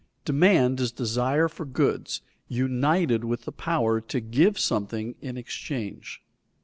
_Demand is desire for goods united with the power to give something in exchange.